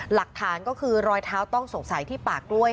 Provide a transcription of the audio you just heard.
หลักฐานก็คือรอยเท้าต้องสงสัยที่ป่ากล้วย